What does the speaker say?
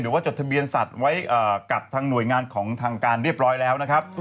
จดทะเบียนสัตว์ไว้กับทางหน่วยงานของทางการเรียบร้อยแล้วนะครับ